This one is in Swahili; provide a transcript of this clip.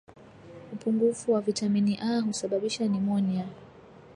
upungufu wa vitamini A husababisha nimonia